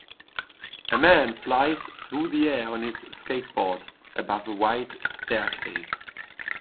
A man flies through the air on his skateboard above a white staircase.